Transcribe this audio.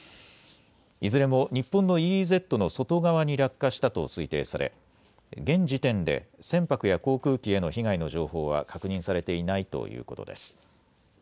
いずれも日本のＥＥＺの外側に落下したと推定され現時点で船舶や航空機への被害の情報は確認されていないということです。